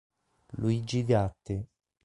Luigi Gatti